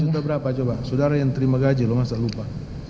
juta berapa coba saudara yang terima gaji loh masa lupa